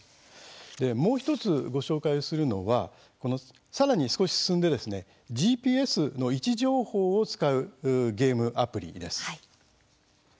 もう１つ、ご紹介するのはさらに少し進んでですねＧＰＳの位置情報を使うゲームアプリです。